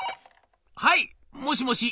「はいもしもし」。